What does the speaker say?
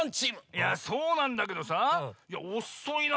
いやそうなんだけどさおっそいな。